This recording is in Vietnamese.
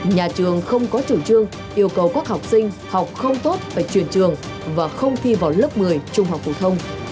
nhà trường không có chủ trương yêu cầu các học sinh học không tốt phải chuyển trường và không thi vào lớp một mươi trung học phổ thông